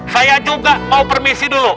saya juga mau permisi dulu